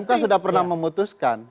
mk sudah pernah memutuskan